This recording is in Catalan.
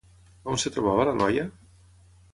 On es trobava la noia?